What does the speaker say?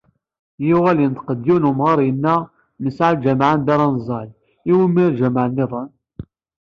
Yuɣal inṭeq-d yiwen n umɣar yenna: “Nesɛa lǧameɛ anda ara neẓẓal, i wumi lǧamaɛ-nniḍen?"